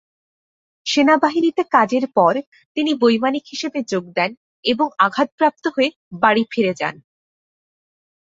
সেনাবাহিনীতে কাজের পর তিনি বৈমানিক হিসেবে যোগ দেন এবং আঘাতপ্রাপ্ত হয়ে বাড়ি ফিরে যান।